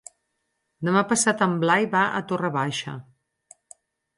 Demà passat en Blai va a Torre Baixa.